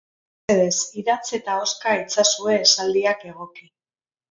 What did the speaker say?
Mesedez, idatz eta ahoska itzazue esaldiak egoki.